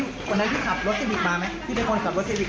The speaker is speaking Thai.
แล้ววันนั้นพี่ขับรถซีวิกมาไหมพี่ได้มนต์ขับรถซีวิก